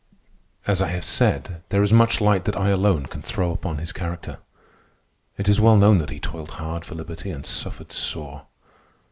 As I have said, there is much light that I alone can throw upon his character. It is well known that he toiled hard for liberty and suffered sore.